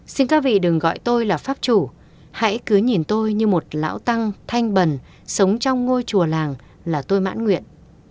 xin các vị đừng gọi tôi là pháp chủ hãy cứ nhìn tôi như một lão tăng thanh bần sống trong ngôi chùa làng là tôi mãn nguyện